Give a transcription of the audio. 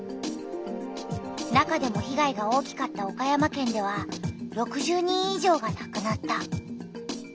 中でも被害が大きかった岡山県では６０人い上がなくなった。